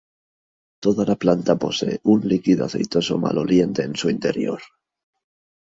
Toda la planta posee un líquido aceitoso maloliente en su interior.